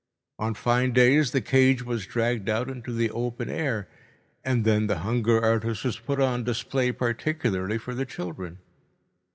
On fine days the cage was dragged out into the open air, and then the hunger artist was put on display particularly for the children.